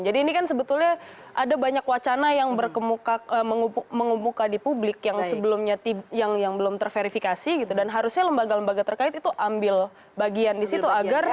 jadi ini kan sebetulnya ada banyak wacana yang berkemuka mengumumka di publik yang sebelumnya yang belum terverifikasi gitu dan harusnya lembaga lembaga terkait itu ambil bagian disitu agar